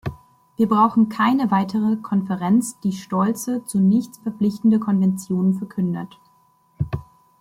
Wir brauchen keine weitere Konferenz, die stolze, zu nichts verpflichtende Konventionen verkündet.